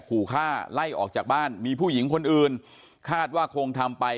ขู่ฆ่าไล่ออกจากบ้านมีผู้หญิงคนอื่นคาดว่าคงทำไป